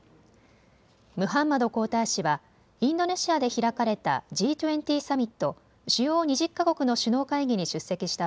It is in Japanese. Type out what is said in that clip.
ムハンマド皇太子はインドネシアで開かれたＧ２０サミット・主要２０か国の首脳会議に出席した